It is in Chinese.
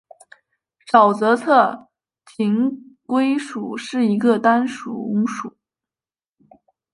沼泽侧颈龟属是一个单种属。